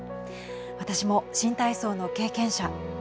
私も新体操の経験者。